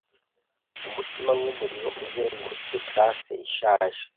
umutima nkumuriro uzengurutse classe ishaje